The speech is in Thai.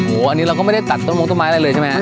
โอ้โหอันนี้เราก็ไม่ได้ตัดต้นมงต้นไม้อะไรเลยใช่ไหมฮะ